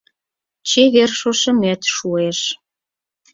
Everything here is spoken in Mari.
Чевер шошымет шуэш